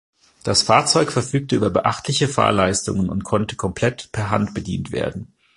Das Fahrzeug verfügte über beachtliche Fahrleistungen und konnte komplett per Hand bedient werden.